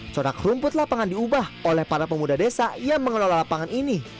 corak rumput lapangan diubah oleh para pemuda desa yang mengelola lapangan ini